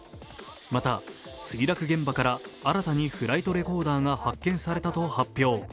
また、墜落現場から新たにフライトレコーダーが発見されたと発表。